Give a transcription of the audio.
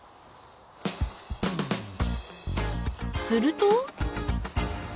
［すると］